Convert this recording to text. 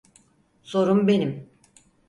Sorun benim.